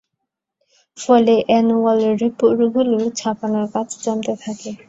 ফলে annual report গুলোর ছাপানোর কাজ জমতে থাকে।